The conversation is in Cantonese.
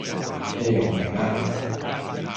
你明唔明呀